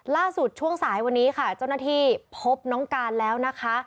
ช่วงสายวันนี้ค่ะเจ้าหน้าที่พบน้องการแล้วนะคะ